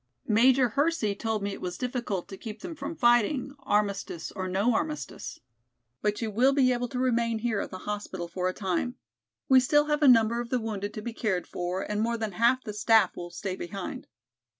Major Hersey told me it was difficult to keep them from fighting, armistice, or no armistice. But you will be able to remain here at the hospital for a time. We still have a number of the wounded to be cared for and more than half the staff will stay behind."